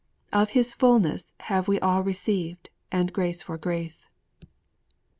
'_Of His fullness have we all received, and grace for grace.